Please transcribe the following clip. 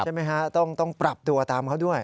ใช่ไหมฮะต้องปรับตัวตามเขาด้วย